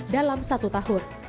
dalam satu tahun